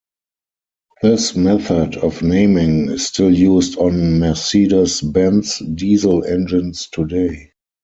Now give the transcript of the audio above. This method of naming is still used on Mercedes-Benz diesel engines today.